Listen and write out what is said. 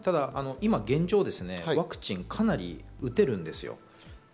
現状、ワクチンはかなり打てるんですよ。